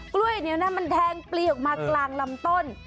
กล้วยเนี่ยนะมันแทงปลีออกมากลางลำต้น